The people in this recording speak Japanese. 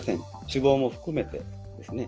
死亡も含めてですね。